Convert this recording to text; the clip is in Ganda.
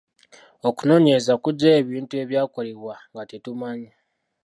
Okunoonyereza kuggyayo ebintu ebyakolebwa nga tetumanyi.